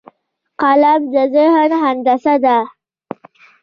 قلم د ذهن هندسه ده